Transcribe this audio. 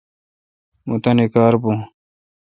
مہ تانی کار بھو۔